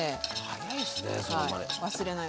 早いっすねそのマネ。